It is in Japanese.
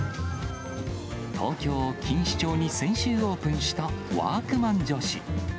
東京・錦糸町に先週オープンした、ワークマン女子。